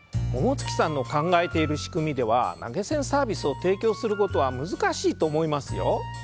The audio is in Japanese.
桃月さんの考えている仕組みでは投げ銭サービスを提供することは難しいと思いますよ。